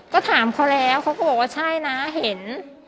ก็ถามเขาแล้วเขาก็บอกว่าใช่นะเห็น